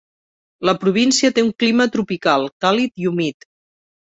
La província té un clima tropical càlid i humit.